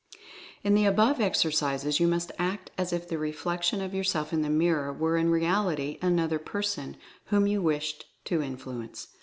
In the above exercises you must act as if the reflec tion of yourself in the mirror were in reality an other person whom you wished to influence.